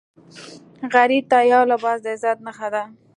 غریب ته یو لباس د عزت نښه ده